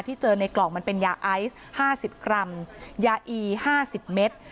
เจอในกล่องมันเป็นยาไอซ์๕๐กรัมยาอี๕๐เมตร